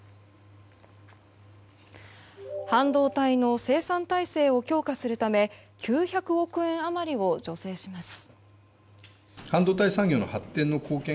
半導体の生産体制を強化するため９００億円余りを助成します。